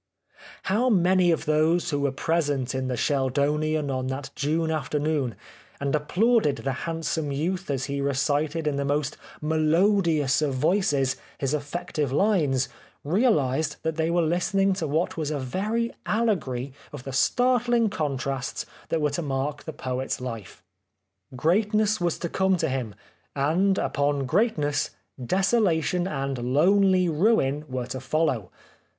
How many of those who were present in the Sheldonian on that June afternoon and ap plauded the handsome youth as he recited in the most melodious of voices his effective lines realised that they were listening to what was a very allegory of the startling contrasts that were to mark the poet's life. Greatness was to come ^57 The Life of Oscar Wilde to him, and upon greatness, desolation and lonely ruin were to follow.